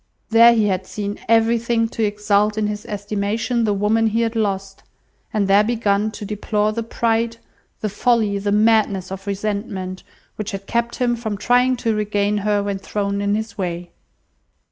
There he had seen everything to exalt in his estimation the woman he had lost; and there begun to deplore the pride, the folly, the madness of resentment, which had kept him from trying to regain her when thrown in his way.